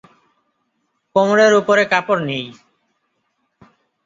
কোমরের উপরে কাপড় নেই।